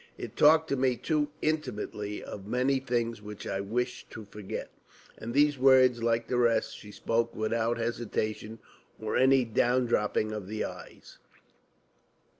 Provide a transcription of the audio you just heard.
It talked to me too intimately of many things which I wished to forget," and these words, like the rest, she spoke without hesitation or any down dropping of the eyes.